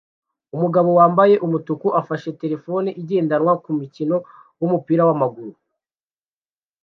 Umugabo wambaye umutuku afashe terefone igendanwa kumikino wumupira wamaguru